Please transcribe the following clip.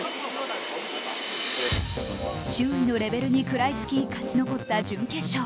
周囲のレベルに食らいつき勝ち残った準決勝。